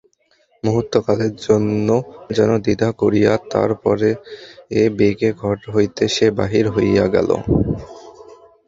মুহূর্তকালের জন্য যেন দ্বিধা করিয়া তার পরে বেগে ঘর হইতে সে বাহির হইয়া গেল।